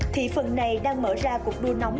thì phần này đang mở ra cuộc đua nóng